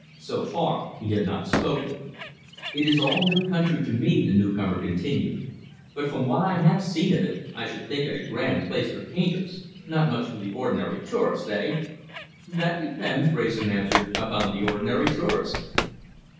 So far he had not spoken. "It is all new country to me," the newcomer continued, "but from what I have seen of it, I should think it a grand place for painters. Not much for the ordinary tourist, eh?" "That depends," Wrayson answered, "upon the ordinary tourist."